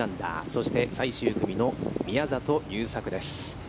そして、最終組の宮里優作です。